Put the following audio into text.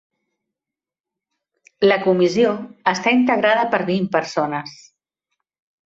La Comissió està integrada per vint persones.